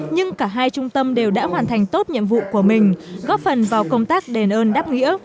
nhưng cả hai trung tâm đều đã hoàn thành tốt nhiệm vụ của mình góp phần vào công tác đền ơn đáp nghĩa